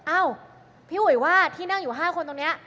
อ้าวพี่อุ๋ยว่าที่นั่งอยู่๕คนตรงนี้